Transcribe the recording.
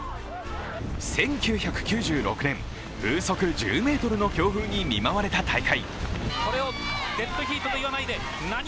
１９９６年、風速１０メートルの強風に見舞われた大会。